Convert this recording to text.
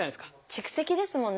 蓄積ですもんね。